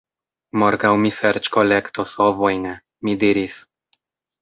Morgaŭ mi serĉkolektos ovojn, mi diris.